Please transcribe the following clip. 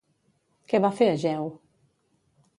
Què va fer Egeu?